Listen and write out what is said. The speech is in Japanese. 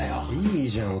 いいじゃん。